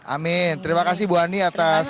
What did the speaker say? amin terima kasih bu ani atas